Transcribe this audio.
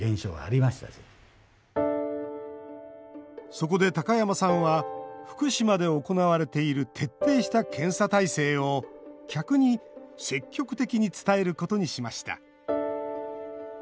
そこで高山さんは福島で行われている徹底した検査体制を客に積極的に伝えることにしました。